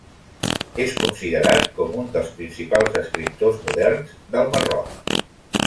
És considerat com un dels principals escriptors moderns del Marroc.